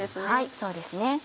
はいそうですね。